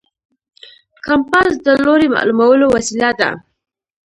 کمپاس د لوري معلومولو وسیله ده.